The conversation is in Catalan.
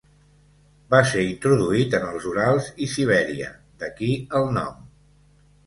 Va ser introduït en els Urals i Sibèria, d'aquí el nom.